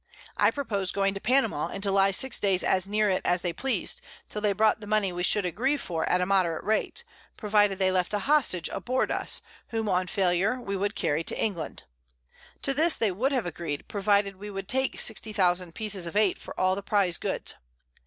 I propos'd going to Panama, and to lie 6 Days as near it as they pleas'd, till they brought the Money we should agree for at a moderate Rate; provided they left a Hostage aboard us, whom on failure we would carry to England. To this they would have agreed, provided we would take 60000 Pieces of Eight for all the Prize Goods.